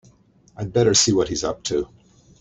I'd better see what he's up to.